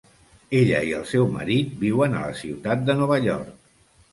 Ella i el seu marit viuen a la ciutat de Nova York.